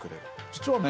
実はね